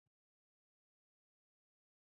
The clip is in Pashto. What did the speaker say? ځنګلونه د افغان ماشومانو د زده کړې موضوع ده.